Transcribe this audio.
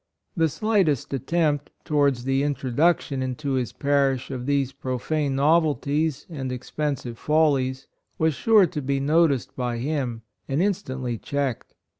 — The slightest attempt towards the 112 PASTORAL RELATIONS. 113 introduction, into his parish, of these profane novelties and expen sive follies, was sure to be noticed by him and instantly checked.